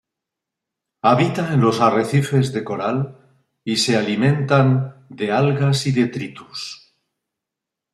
Habita en los arrecifes de coral y se alimentan de algas y detritus.